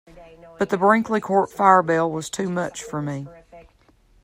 But the Brinkley Court fire bell was too much for me.